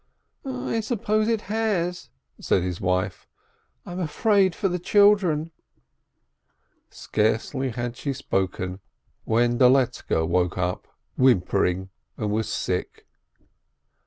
"I suppose it has," said his wife. "I'm afraid for the children." Scarcely had she spoken when Doletzke woke up, whimpering, and was sick.